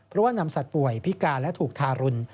เพราะว่านำสัตว์ป่วยพิการและถูกทารุณ